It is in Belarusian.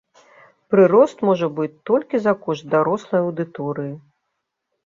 Прырост можа быць толькі за кошт дарослай аўдыторыі.